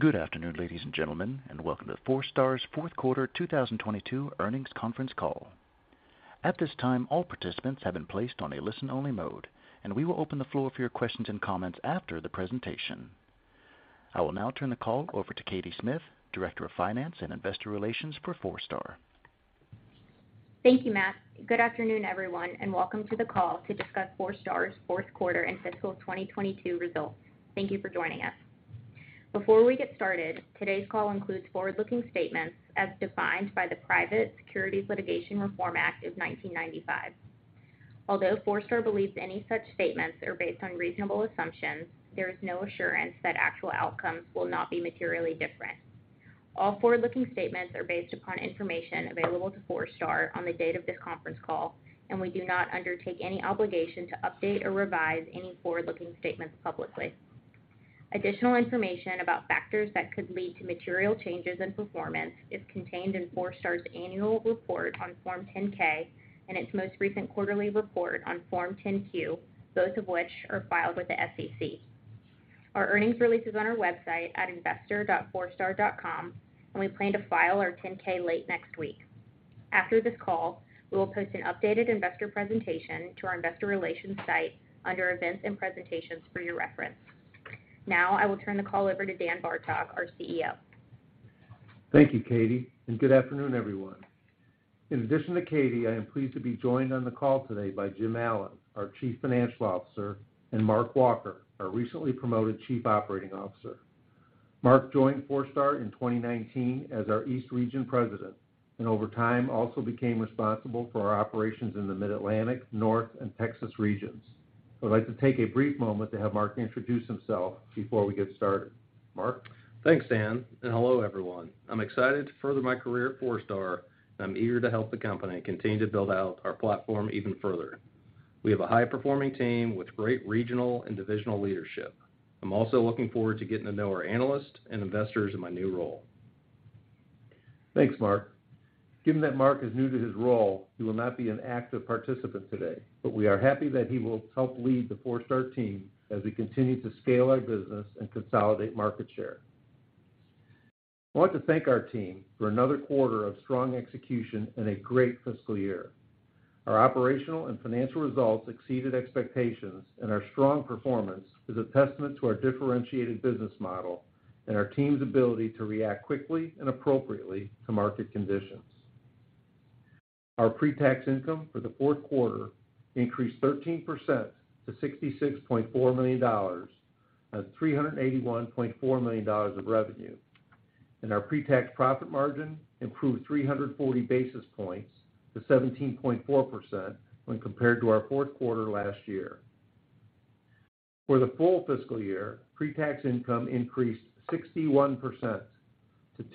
Good afternoon, ladies and gentlemen, and welcome to Forestar's fourth quarter 2022 earnings conference call. At this time, all participants have been placed on a listen-only mode, and we will open the floor for your questions and comments after the presentation. I will now turn the call over to Katie Smith, Director of Finance and Investor Relations for Forestar. Thank you, Matt. Good afternoon, everyone, and welcome to the call to discuss Forestar's fourth quarter and fiscal 2022 results. Thank you for joining us. Before we get started, today's call includes forward-looking statements as defined by the Private Securities Litigation Reform Act of 1995. Although Forestar believes any such statements are based on reasonable assumptions, there is no assurance that actual outcomes will not be materially different. All forward-looking statements are based upon information available to Forestar on the date of this conference call, and we do not undertake any obligation to update or revise any forward-looking statements publicly. Additional information about factors that could lead to material changes in performance is contained in Forestar's annual report on Form 10-K and its most recent quarterly report on Form 10-Q, both of which are filed with the SEC. Our earnings release is on our website at investor.forestar.com, and we plan to file our 10-K late next week. After this call, we will post an updated investor presentation to our investor relations site under Events and Presentations for your reference. Now, I will turn the call over to Dan Bartok, our CEO. Thank you, Katie, and good afternoon, everyone. In addition to Katie, I am pleased to be joined on the call today by Jim Allen, our Chief Financial Officer, and Mark Walker, our recently promoted Chief Operating Officer. Mark joined Forestar in 2019 as our East Region President, and over time also became responsible for our operations in the Mid-Atlantic, North, and Texas regions. I'd like to take a brief moment to have Mark introduce himself before we get started. Mark? Thanks, Dan, and hello, everyone. I'm excited to further my career at Forestar, and I'm eager to help the company continue to build out our platform even further. We have a high-performing team with great regional and divisional leadership. I'm also looking forward to getting to know our analysts and investors in my new role. Thanks, Mark. Given that Mark is new to his role, he will not be an active participant today, but we are happy that he will help lead the Forestar team as we continue to scale our business and consolidate market share. I want to thank our team for another quarter of strong execution and a great fiscal year. Our operational and financial results exceeded expectations, and our strong performance is a testament to our differentiated business model and our team's ability to react quickly and appropriately to market conditions. Our pre-tax income for the fourth quarter increased 13% to $66.4 million on $381.4 million of revenue, and our pre-tax profit margin improved 340 basis points to 17.4% when compared to our fourth quarter last year. For the full fiscal year, pre-tax income increased 61% to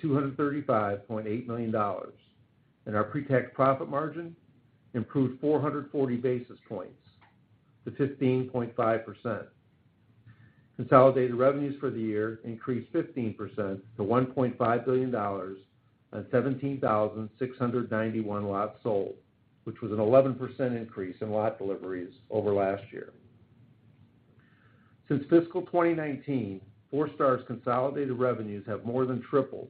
$235.8 million, and our pre-tax profit margin improved 440 basis points to 15.5%. Consolidated revenues for the year increased 15% to $1.5 billion on 17,691 lots sold, which was an 11% increase in lot deliveries over last year. Since fiscal 2019, Forestar's consolidated revenues have more than tripled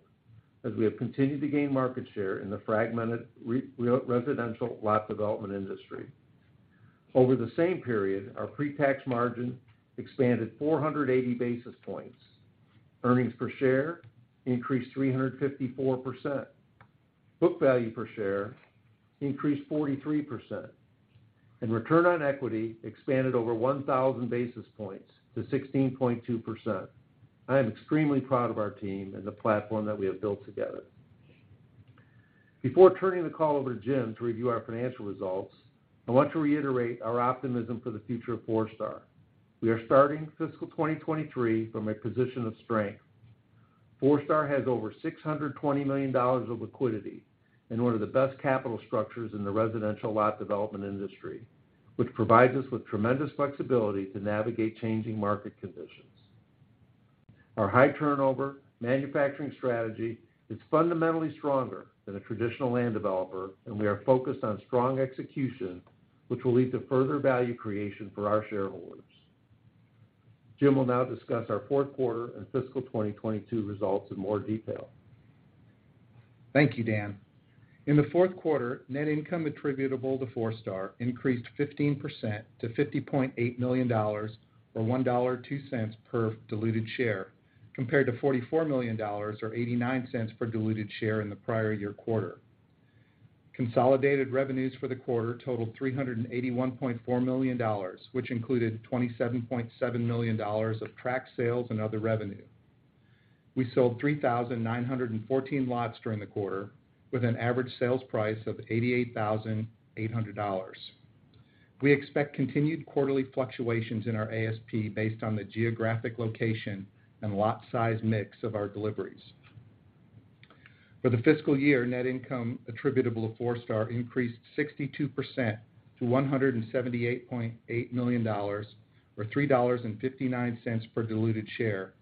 as we have continued to gain market share in the fragmented residential lot development industry. Over the same period, our pre-tax margin expanded 480 basis points. Earnings per share increased 354%. Book value per share increased 43%. Return on equity expanded over 1,000 basis points to 16.2%. I am extremely proud of our team and the platform that we have built together. Before turning the call over to Jim to review our financial results, I want to reiterate our optimism for the future of Forestar. We are starting fiscal 2023 from a position of strength. Forestar has over $620 million of liquidity and one of the best capital structures in the residential lot development industry, which provides us with tremendous flexibility to navigate changing market conditions. Our high-turnover manufacturing strategy is fundamentally stronger than a traditional land developer, and we are focused on strong execution, which will lead to further value creation for our shareholders. Jim will now discuss our fourth quarter and fiscal 2022 results in more detail. Thank you, Dan. In the fourth quarter, net income attributable to Forestar increased 15% to $50.8 million or $1.02 per diluted share, compared to $44 million or $0.89 per diluted share in the prior year quarter. Consolidated revenues for the quarter totaled $381.4 million, which included $27.7 million of tract sales and other revenue. We sold 3,914 lots during the quarter, with an average sales price of $88,800. We expect continued quarterly fluctuations in our ASP based on the geographic location and lot size mix of our deliveries. For the fiscal year, net income attributable to Forestar increased 62% to $178.8 million or $3.59 per diluted share,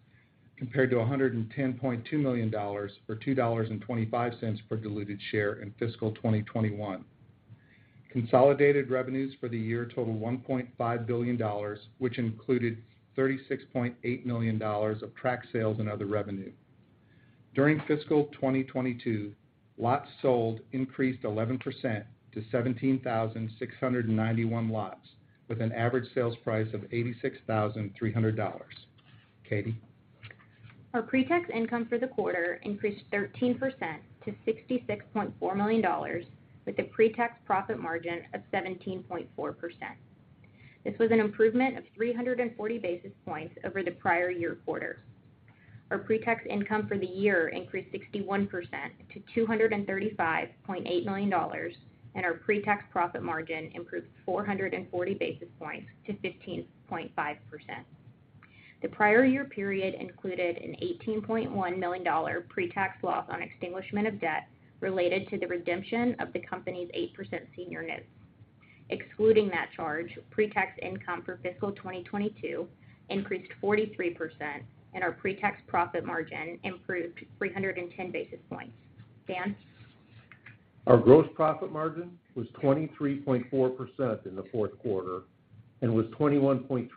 compared to $110.2 million or $2.25 per diluted share in fiscal 2021. Consolidated revenues for the year totaled $1.5 billion, which included $36.8 million of tract sales and other revenue. During fiscal 2022, lots sold increased 11% to 17,691 lots with an average sales price of $86,300. Katie? Our pre-tax income for the quarter increased 13% to $66.4 million with a pre-tax profit margin of 17.4%. This was an improvement of 340 basis points over the prior year quarter. Our pre-tax income for the year increased 61% to $235.8 million, and our pre-tax profit margin improved 440 basis points to 15.5%. The prior year period included an $18.1 million pre-tax loss on extinguishment of debt related to the redemption of the company's 8% senior notes. Excluding that charge, pre-tax income for fiscal 2022 increased 43% and our pre-tax profit margin improved 310 basis points. Dan? Our gross profit margin was 23.4% in the fourth quarter and was 21.3%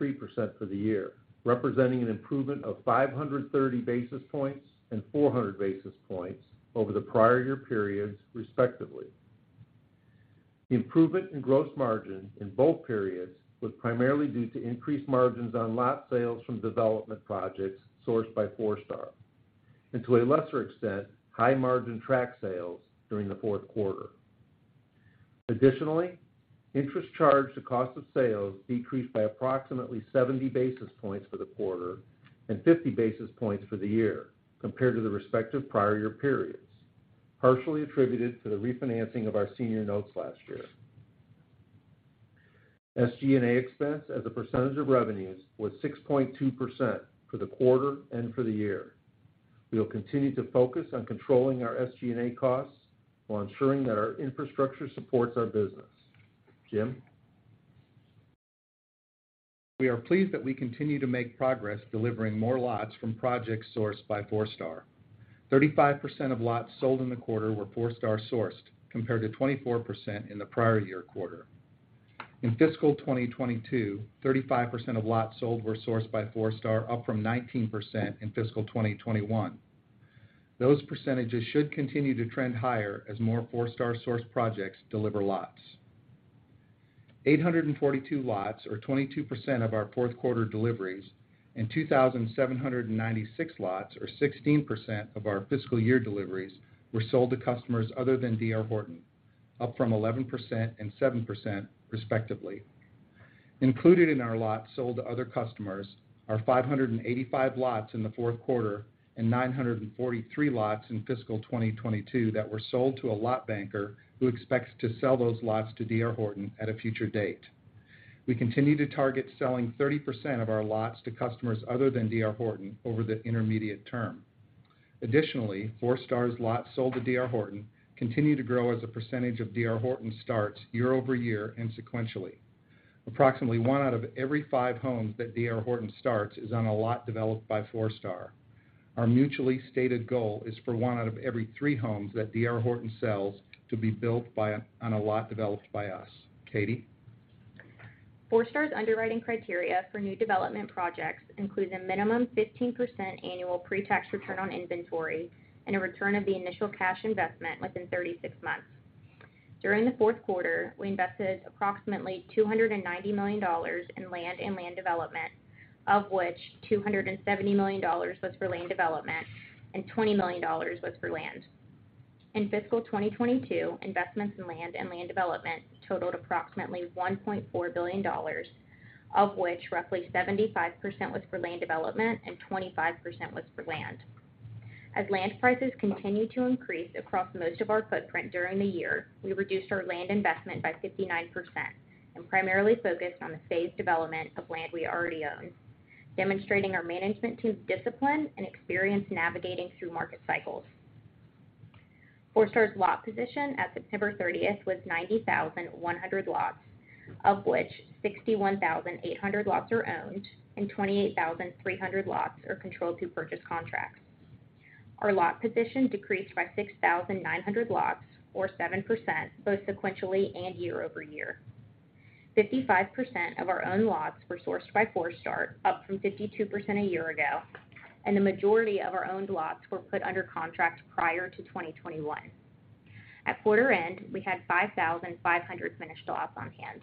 for the year, representing an improvement of 530 basis points and 400 basis points over the prior year periods, respectively. Improvement in gross margin in both periods was primarily due to increased margins on lot sales from development projects sourced by Forestar and to a lesser extent, high-margin tract sales during the fourth quarter. Additionally, interest charged to cost of sales decreased by approximately 70 basis points for the quarter and 50 basis points for the year compared to the respective prior year periods, partially attributed to the refinancing of our senior notes last year. SG&A expense as a percentage of revenues was 6.2% for the quarter and for the year. We will continue to focus on controlling our SG&A costs while ensuring that our infrastructure supports our business. Jim? We are pleased that we continue to make progress delivering more lots from projects sourced by Forestar. 35% of lots sold in the quarter were Forestar sourced compared to 24% in the prior year quarter. In fiscal 2022, 35% of lots sold were sourced by Forestar, up from 19% in fiscal 2021. Those percentages should continue to trend higher as more Forestar source projects deliver lots. 842 lots, or 22% of our fourth quarter deliveries, and 2,796 lots or 16% of our fiscal year deliveries were sold to customers other than D.R. Horton, up from 11% and 7% respectively. Included in our lots sold to other customers are 585 lots in the fourth quarter and 943 lots in fiscal 2022 that were sold to a lot banker who expects to sell those lots to D.R. Horton at a future date. We continue to target selling 30% of our lots to customers other than D.R. Horton over the intermediate term. Additionally, Forestar's lots sold to D.R. Horton continue to grow as a percentage of D.R. Horton starts year-over-year and sequentially. Approximately one out of every five homes that D.R. Horton starts is on a lot developed by Forestar. Our mutually stated goal is for one out of every three homes that D.R. Horton sells to be built on a lot developed by us. Katie? Forestar's underwriting criteria for new development projects includes a minimum 15% annual pre-tax return on inventory and a return of the initial cash investment within 36 months. During the fourth quarter, we invested approximately $290 million in land and land development, of which $270 million was for land development and $20 million was for land. In fiscal 2022, investments in land and land development totaled approximately $1.4 billion, of which roughly 75% was for land development and 25% was for land. As land prices continued to increase across most of our footprint during the year, we reduced our land investment by 59% and primarily focused on the phased development of land we already own, demonstrating our management team's discipline and experience navigating through market cycles. Forestar's lot position at September 30th was 90,100 lots, of which 61,800 lots are owned and 28,300 lots are controlled through purchase contracts. Our lot position decreased by 6,900 lots or 7%, both sequentially and year-over-year. 55% of our own lots were sourced by Forestar, up from 52% a year ago, and the majority of our owned lots were put under contract prior to 2021. At quarter end, we had 5,500 finished lots on hand.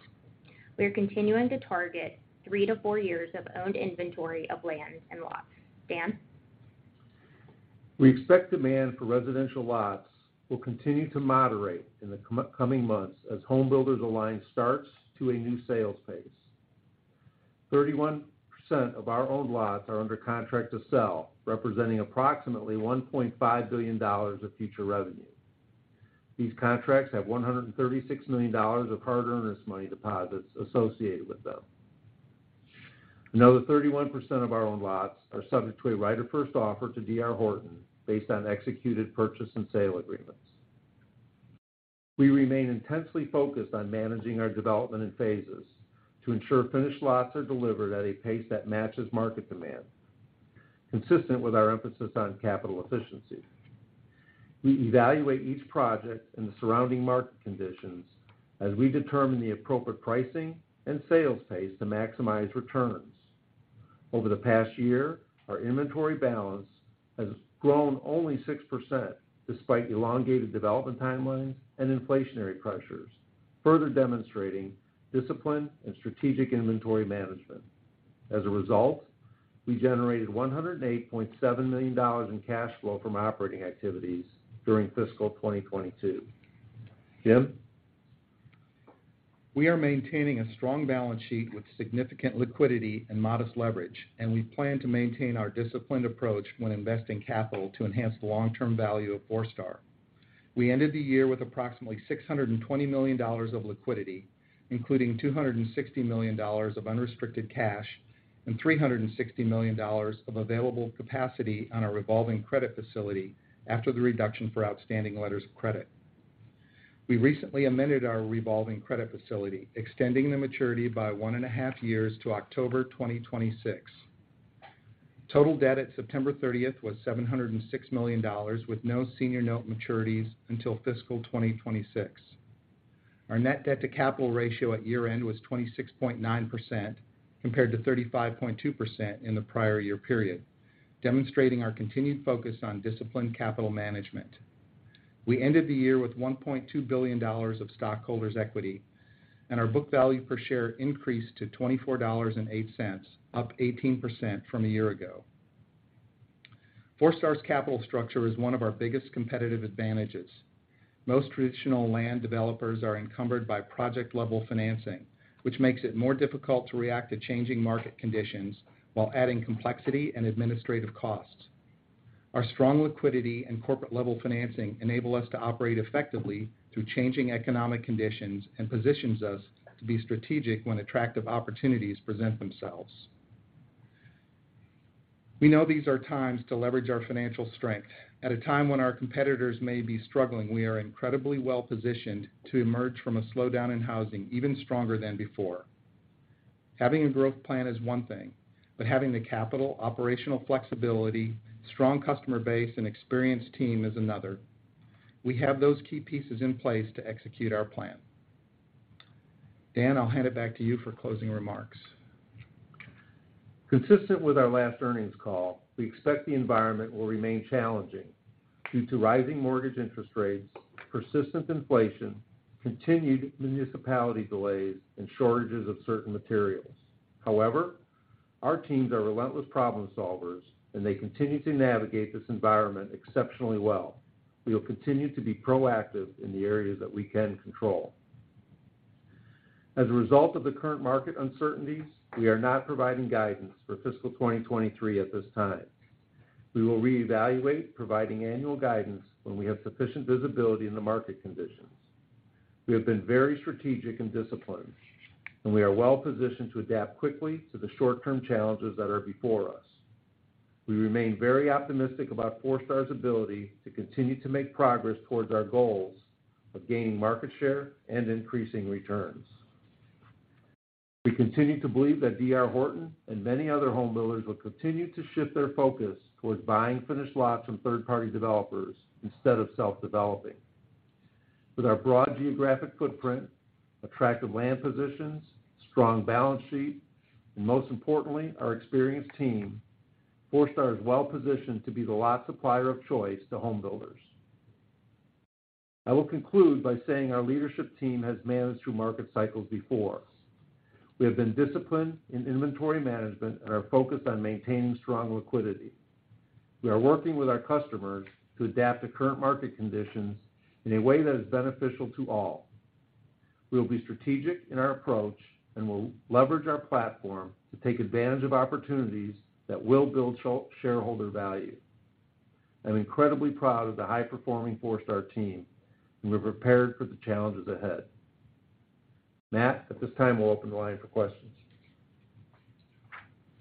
We are continuing to target three to four years of owned inventory of land and lots. Dan? We expect demand for residential lots will continue to moderate in the coming months as home builders align starts to a new sales pace. 31% of our owned lots are under contract to sell, representing approximately $1.5 billion of future revenue. These contracts have $136 million of hard earnest money deposits associated with them. Another 31% of our owned lots are subject to a right of first offer to D.R. Horton based on executed purchase and sale agreements. We remain intensely focused on managing our development in phases to ensure finished lots are delivered at a pace that matches market demand. Consistent with our emphasis on capital efficiency. We evaluate each project and the surrounding market conditions as we determine the appropriate pricing and sales pace to maximize returns. Over the past year, our inventory balance has grown only 6% despite elongated development timelines and inflationary pressures, further demonstrating discipline and strategic inventory management. As a result, we generated $108.7 million in cash flow from operating activities during fiscal 2022. Jim? We are maintaining a strong balance sheet with significant liquidity and modest leverage, and we plan to maintain our disciplined approach when investing capital to enhance the long-term value of Forestar. We ended the year with approximately $620 million of liquidity, including $260 million of unrestricted cash and $360 million of available capacity on our revolving credit facility after the reduction for outstanding letters of credit. We recently amended our revolving credit facility, extending the maturity by 1.5 years to October 2026. Total debt at September 30th was $706 million with no senior note maturities until fiscal 2026. Our net debt to capital ratio at year-end was 26.9% compared to 35.2% in the prior year period, demonstrating our continued focus on disciplined capital management. We ended the year with $1.2 billion of stockholders' equity, and our book value per share increased to $24.08, up 18% from a year ago. Forestar's capital structure is one of our biggest competitive advantages. Most traditional land developers are encumbered by project-level financing, which makes it more difficult to react to changing market conditions while adding complexity and administrative costs. Our strong liquidity and corporate-level financing enable us to operate effectively through changing economic conditions and positions us to be strategic when attractive opportunities present themselves. We know these are times to leverage our financial strength. At a time when our competitors may be struggling, we are incredibly well-positioned to emerge from a slowdown in housing even stronger than before. Having a growth plan is one thing, but having the capital, operational flexibility, strong customer base, and experienced team is another. We have those key pieces in place to execute our plan. Dan, I'll hand it back to you for closing remarks. Consistent with our last earnings call, we expect the environment will remain challenging due to rising mortgage interest rates, persistent inflation, continued municipality delays, and shortages of certain materials. However, our teams are relentless problem solvers, and they continue to navigate this environment exceptionally well. We will continue to be proactive in the areas that we can control. As a result of the current market uncertainties, we are not providing guidance for fiscal 2023 at this time. We will reevaluate providing annual guidance when we have sufficient visibility in the market conditions. We have been very strategic and disciplined, and we are well positioned to adapt quickly to the short-term challenges that are before us. We remain very optimistic about Forestar's ability to continue to make progress towards our goals of gaining market share and increasing returns. We continue to believe that D.R. Horton and many other homebuilders will continue to shift their focus towards buying finished lots from third-party developers instead of self-developing. With our broad geographic footprint, attractive land positions, strong balance sheet, and most importantly, our experienced team, Forestar is well positioned to be the lot supplier of choice to homebuilders. I will conclude by saying our leadership team has managed through market cycles before. We have been disciplined in inventory management and are focused on maintaining strong liquidity. We are working with our customers to adapt to current market conditions in a way that is beneficial to all. We will be strategic in our approach and will leverage our platform to take advantage of opportunities that will build shareholder value. I'm incredibly proud of the high-performing Forestar team, and we're prepared for the challenges ahead. Matt, at this time, we'll open the line for questions.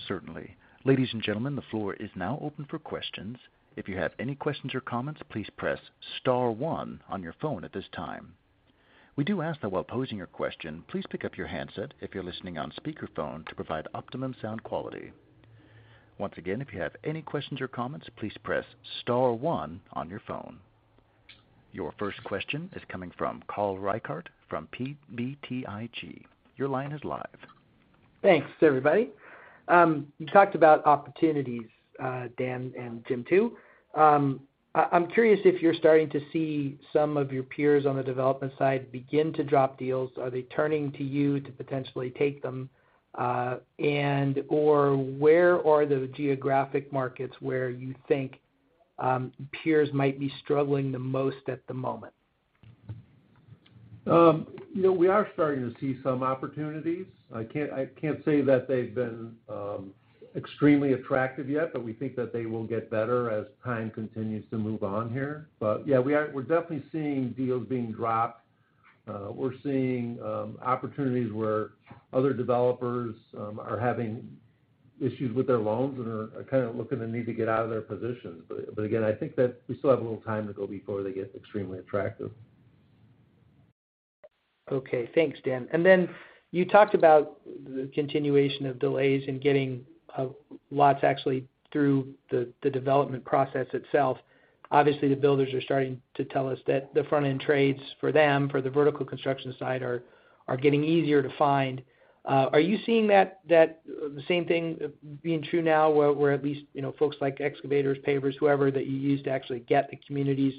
Certainly. Ladies and gentlemen, the floor is now open for questions. If you have any questions or comments, please press star one on your phone at this time. We do ask that while posing your question, please pick up your handset if you're listening on speakerphone to provide optimum sound quality. Once again, if you have any questions or comments, please press star one on your phone. Your first question is coming from Carl Reichardt from BTIG. Your line is live. Thanks, everybody. You talked about opportunities, Dan and Jim too. I'm curious if you're starting to see some of your peers on the development side begin to drop deals. Are they turning to you to potentially take them? And/or where are the geographic markets where you think peers might be struggling the most at the moment? You know, we are starting to see some opportunities. I can't say that they've been extremely attractive yet, but we think that they will get better as time continues to move on here. But yeah, we're definitely seeing deals being dropped. We're seeing opportunities where other developers are having issues with their loans and are kind of looking to need to get out of their positions. But again, I think that we still have a little time to go before they get extremely attractive. Okay. Thanks, Dan. Then you talked about the continuation of delays in getting lots actually through the development process itself. Obviously, the builders are starting to tell us that the front-end trades for them, for the vertical construction side are getting easier to find. Are you seeing that same thing being true now where at least, you know, folks like excavators, pavers, whoever that you use to actually get the communities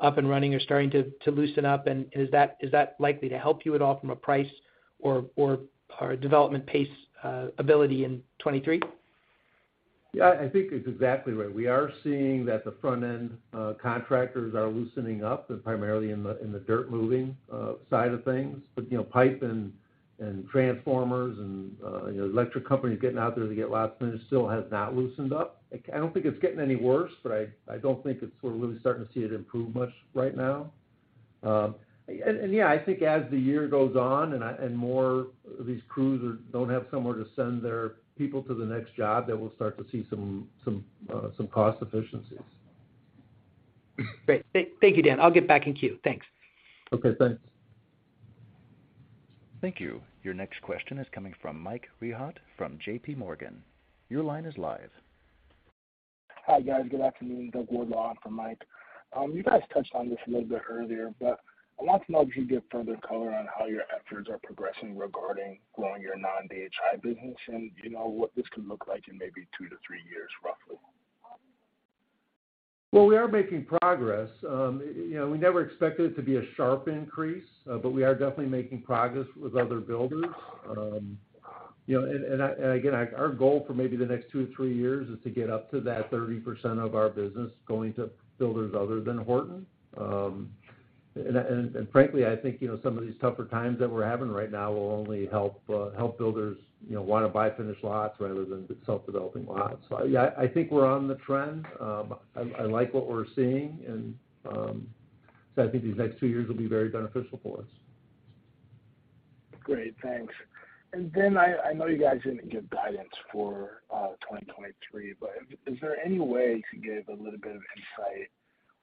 up and running are starting to loosen up, and is that likely to help you at all from a price or development pace ability in 2023? Yeah. I think it's exactly right. We are seeing that the front-end contractors are loosening up, primarily in the dirt moving side of things. You know, pipe and transformers and electric companies getting out there to get lots finished still has not loosened up. I don't think it's getting any worse. We're really starting to see it improve much right now. Yeah, I think as the year goes on and more of these crews don't have somewhere to send their people to the next job, then we'll start to see some cost efficiencies. Great. Thank you, Dan. I'll get back in queue. Thanks. Okay. Thanks. Thank you. Your next question is coming from Mike Rehaut from JPMorgan. Your line is live. Hi, guys. Good afternoon. for Mike. You guys touched on this a little bit earlier, but I wanted to know if you could give further color on how your efforts are progressing regarding growing your non-DHI business and, you know, what this can look like in maybe two to three years, roughly. Well, we are making progress. You know, we never expected it to be a sharp increase, but we are definitely making progress with other builders. You know, again, our goal for maybe the next two to three years is to get up to that 30% of our business going to builders other than Horton. Frankly, I think, you know, some of these tougher times that we're having right now will only help builders, you know, wanna buy finished lots rather than self-developing lots. Yeah, I think we're on the trend. I like what we're seeing, and so I think these next two years will be very beneficial for us. Great. Thanks. Then I know you guys didn't give guidance for 2023, but is there any way you could give a little bit of insight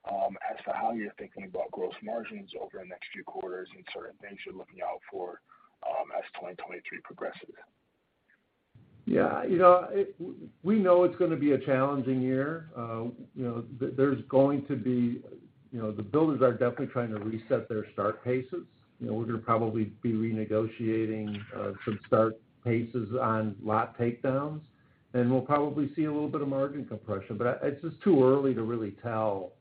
as to how you're thinking about gross margins over the next few quarters and certain things you're looking out for as 2023 progresses? Yeah. You know, we know it's gonna be a challenging year. You know, there's going to be you know, the builders are definitely trying to reset their start paces. You know, we're gonna probably be renegotiating some start paces on lot takedowns, and we'll probably see a little bit of margin compression. It's just too early to really tell,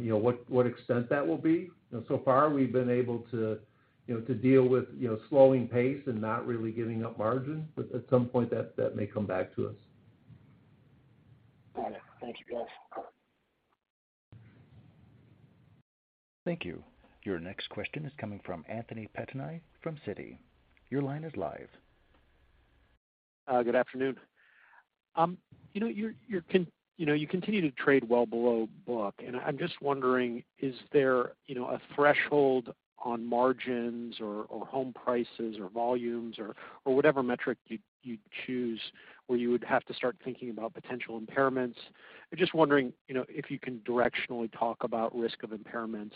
you know, what extent that will be. You know, so far we've been able to, you know, to deal with, you know, slowing pace and not really giving up margin, but at some point that may come back to us. Got it. Thank you, guys. Thank you. Your next question is coming from Anthony Pettinari from Citi. Your line is live. Good afternoon. You know, you're continue to trade well below book, and I'm just wondering, is there, you know, a threshold on margins or home prices or volumes or whatever metric you'd choose where you would have to start thinking about potential impairments? I'm just wondering, you know, if you can directionally talk about risk of impairments,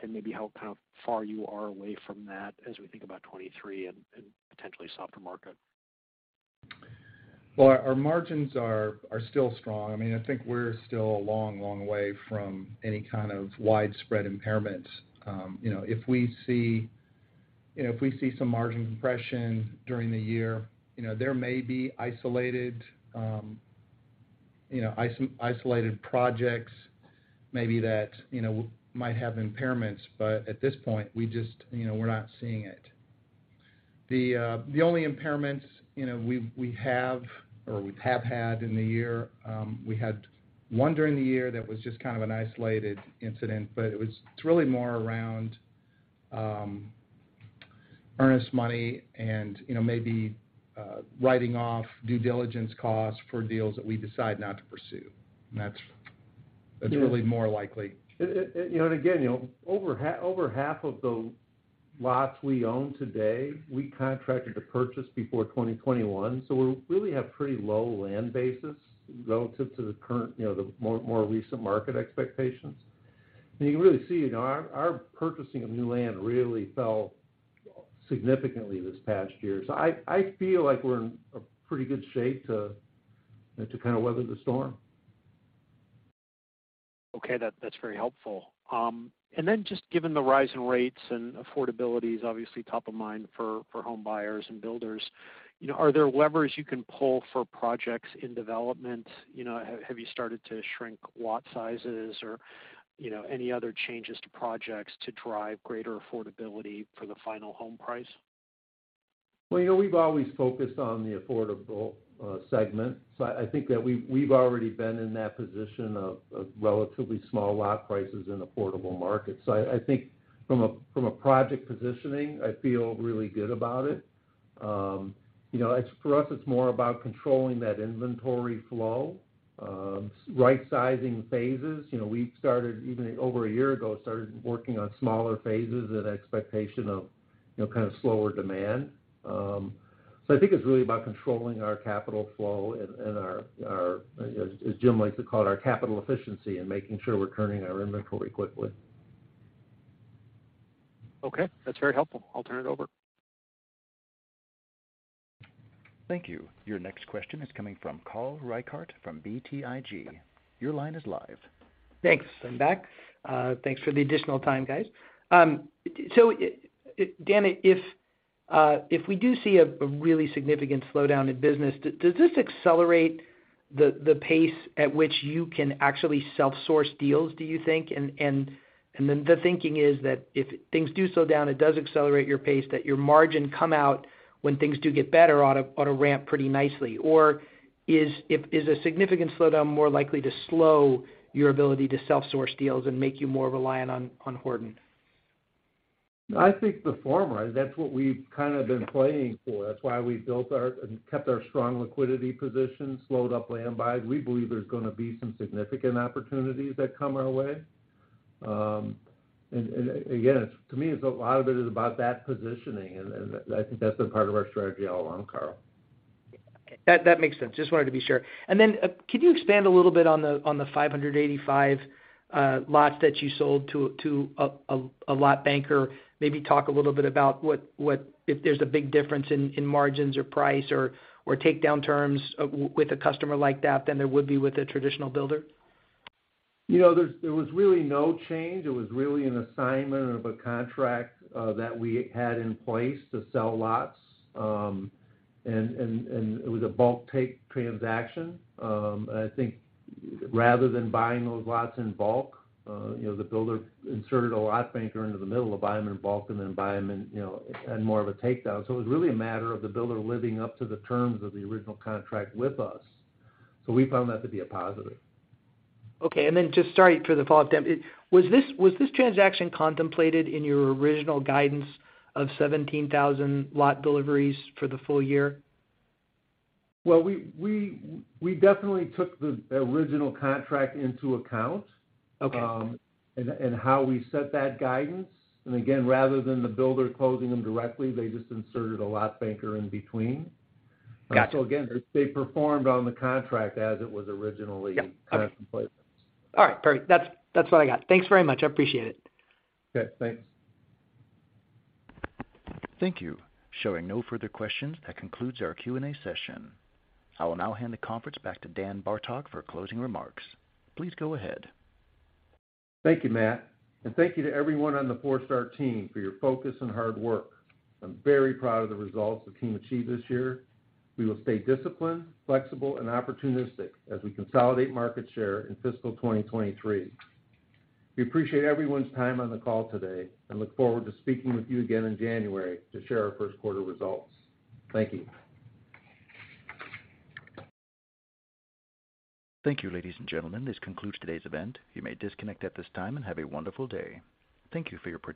and maybe how kind of far you are away from that as we think about 2023 and potentially softer market. Well, our margins are still strong. I mean, I think we're still a long, long way from any kind of widespread impairment. You know, if we see some margin compression during the year, you know, there may be isolated projects maybe that, you know, might have impairments, but at this point, you know, we're not seeing it. The only impairments, you know, we've had in the year, we had one during the year that was just kind of an isolated incident, but it's really more around earnest money and, you know, maybe writing off due diligence costs for deals that we decide not to pursue. That's really more likely. You know, and again, you know, over half of the lots we own today, we contracted to purchase before 2021, so we really have pretty low land basis relative to the current, you know, the more recent market expectations. You can really see, you know, our purchasing of new land really fell significantly this past year. I feel like we're in a pretty good shape to kind of weather the storm. Okay. That's very helpful. Then just given the rise in rates and affordability is obviously top of mind for home buyers and builders, you know, are there levers you can pull for projects in development? You know, have you started to shrink lot sizes or, you know, any other changes to projects to drive greater affordability for the final home price? Well, you know, we've always focused on the affordable segment. I think that we've already been in that position of relatively small lot prices in affordable markets. I think from a project positioning, I feel really good about it. You know, for us, it's more about controlling that inventory flow, right-sizing phases. You know, we've started even over a year ago working on smaller phases in expectation of, you know, kind of slower demand. I think it's really about controlling our capital flow and our, as Jim likes to call it, our capital efficiency and making sure we're turning our inventory quickly. Okay, that's very helpful. I'll turn it over. Thank you. Your next question is coming from Carl Reichardt from BTIG. Your line is live. Thanks. I'm back. Thanks for the additional time, guys. So Dan, if we do see a really significant slowdown in business, does this accelerate the pace at which you can actually self-source deals, do you think? And then the thinking is that if things do slow down, it does accelerate your pace, that your margin come out when things do get better on a ramp pretty nicely. Or is a significant slowdown more likely to slow your ability to self-source deals and make you more reliant on Horton? I think the former. That's what we've kind of been playing for. That's why we built our and kept our strong liquidity position, slowed up land buys. We believe there's gonna be some significant opportunities that come our way. And again, to me, it's a lot of it is about that positioning and I think that's been part of our strategy all along, Carl. That makes sense. Just wanted to be sure. Then could you expand a little bit on the 585 lots that you sold to a lot banker? Maybe talk a little bit about if there's a big difference in margins or price or takedown terms with a customer like that than there would be with a traditional builder. You know, there was really no change. It was really an assignment of a contract that we had in place to sell lots, and it was a bulk takedown transaction. I think rather than buying those lots in bulk, you know, the builder inserted a lot banker into the middle to buy them in bulk and then buy them in, you know, and more of a takedown. It was really a matter of the builder living up to the terms of the original contract with us. We found that to be a positive. Okay, just sorry for the follow-up, Dan. Was this transaction contemplated in your original guidance of 17,000 lot deliveries for the full year? Well, we definitely took the original contract into account. Okay. how we set that guidance, and again, rather than the builder closing them directly, they just inserted a lot banker in between. Got you. Again, they performed on the contract as it was originally. Yeah. Got it. Contemplated. All right, perfect. That's what I got. Thanks very much. I appreciate it. Okay, thanks. Thank you. Showing no further questions, that concludes our Q&A session. I will now hand the conference back to Dan Bartok for closing remarks. Please go ahead. Thank you, Matt. Thank you to everyone on the Forestar team for your focus and hard work. I'm very proud of the results the team achieved this year. We will stay disciplined, flexible, and opportunistic as we consolidate market share in fiscal 2023. We appreciate everyone's time on the call today and look forward to speaking with you again in January to share our first quarter results. Thank you. Thank you, ladies and gentlemen. This concludes today's event. You may disconnect at this time, and have a wonderful day. Thank you for your participation.